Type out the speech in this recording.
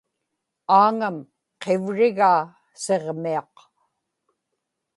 Aaŋam qivrigaa Siġmiaq